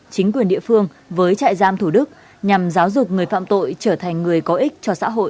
chính quyền địa phương với trại giam thủ đức nhằm giáo dục người phạm tội trở thành người có ích cho xã hội